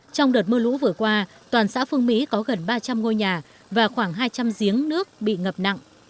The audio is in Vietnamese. trong đợt mưa lũ vừa qua toàn xã phương mỹ có gần ba trăm linh ngôi nhà và khoảng hai trăm linh giếng nước bị ngập nặng